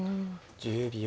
１０秒。